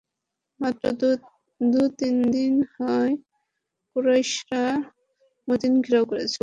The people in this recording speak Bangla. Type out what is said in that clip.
মাত্র দু-তিন দিন হয় কুরাইশরা মদীনা ঘেরাও করেছে।